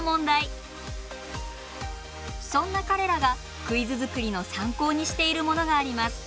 そんな彼らがクイズ作りの参考にしているものがあります。